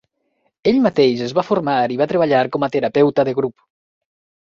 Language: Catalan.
Ell mateix es va formar i va treballar com a terapeuta de grup.